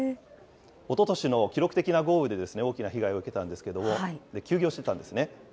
おととしの記録的な豪雨で、大きな被害を受けたんですけども、休業していたんですね。